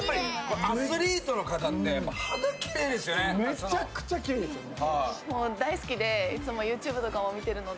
めちゃくちゃきれいですよね。